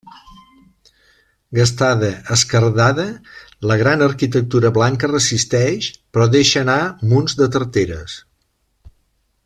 Gastada, esquerdada, la gran arquitectura blanca resisteix, però deixa anar munts de tarteres.